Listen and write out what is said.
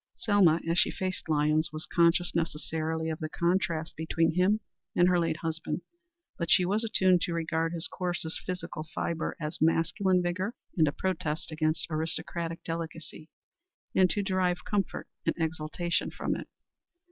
Selma, as she faced Lyons, was conscious necessarily of the contrast between him and her late husband. But she was attuned to regard his coarser physical fibre as masculine vigor and a protest against aristocratic delicacy, and to derive comfort and exaltation from it.